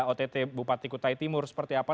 ott bupati kutai timur seperti apa